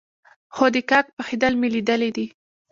خو د کاک پخېدل مې ليدلي دي.